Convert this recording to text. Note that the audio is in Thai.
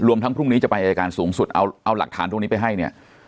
ทั้งพรุ่งนี้จะไปอายการสูงสุดเอาหลักฐานตรงนี้ไปให้เนี่ย